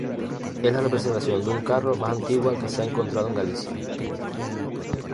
Es la representación de un carro más antigua que se ha encontrado en Galicia.